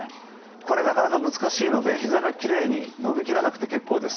これなかなか難しいのでひざがきれいに伸び切らなくて結構です。